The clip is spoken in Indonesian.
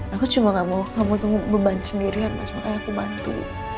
aku cuma gak mau kamu tunggu beban sendirian makanya aku bantu